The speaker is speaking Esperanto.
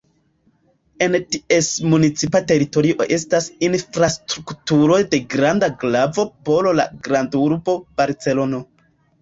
En ties municipa teritorio estas infrastrukturoj de granda gravo por la grandurbo Barcelono.